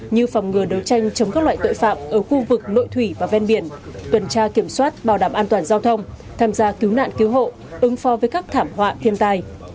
như phòng ngừa đấu tranh chống các loại tội phạm ở khu vực nội thủy và ven biển tuần tra kiểm soát bảo đảm an toàn giao thông tham gia cứu nạn cứu hộ ứng pho với các thảm họa thiên tai